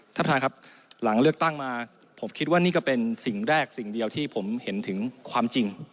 ท่านประธานครับหลังเลือกตั้งมาผมคิดว่านี่ก็เป็นสิ่งแรกสิ่งเดียวที่ผมเห็นถึงความจริง